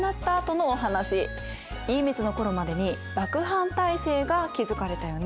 家光の頃までに幕藩体制が築かれたよね。